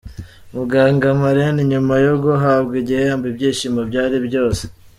Muganga Mariam nyuma yo guhabwa igihembo ibyishimo byari byose.